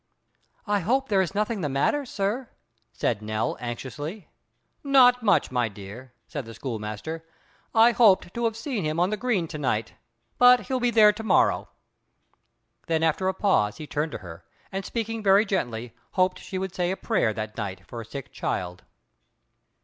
"I hope there is nothing the matter, sir," said Nell anxiously. "Not much, my dear," said the schoolmaster. "I hoped to have seen him on the green to night. But he'll be there to morrow." Then after a pause he turned to her, and speaking very gently, hoped she would say a prayer that night for a sick child.